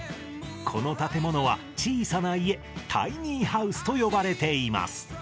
この建物は小さな家タイニーハウスと呼ばれています